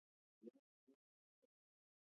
افغانستان کې د ښتې لپاره دپرمختیا پروګرامونه شته.